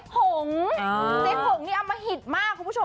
เสหงทำพยิตมากคุณผู้ชม